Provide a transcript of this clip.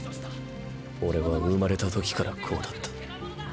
オレは生まれた時からこうだった。